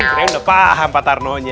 udah paham pak tarno nya